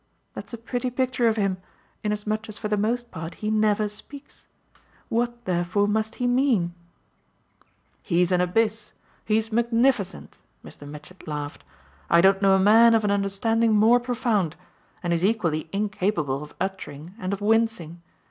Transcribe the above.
"That's a pretty picture of him, inasmuch as for the most part he never speaks. What therefore must he mean?" "He's an abyss he's magnificent!" Mr. Mitchett laughed. "I don't know a man of an understanding more profound, and he's equally incapable of uttering and of wincing.